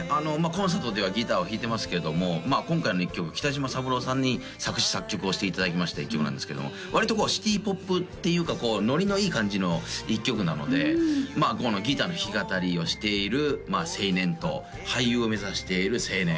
コンサートではギターを弾いてますけども今回の一曲北島三郎さんに作詞作曲をしていただきました一曲なんですけども割とシティ・ポップっていうかノリのいい感じの一曲なのでギターの弾き語りをしている青年と俳優を目指している青年